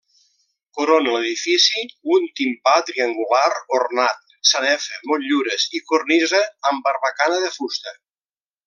Corona l'edifici un timpà triangular ornat, sanefa, motllures i cornisa amb barbacana de fusta.